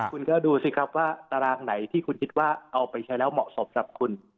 คุณก็ดูสิครับว่าตารางไหนที่คุณคิดว่าเอาไปใช้แล้วเหมาะสมกับคุณ